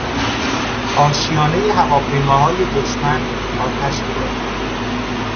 اشیانهٔ هواپیماهای دشمن آتش گرفت.